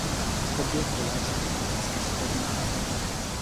Obě kola jsou prakticky shodná.